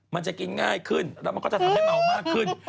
มันจะกินง่ายขึ้นแล้วมันก็จะทำให้เมามากขึ้น